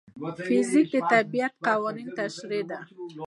فزیک د طبیعت قانونونه تشریح کوي.